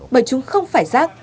bởi chúng không phải rác